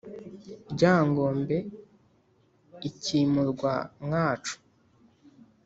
Ryangombe ikimurwa mwacu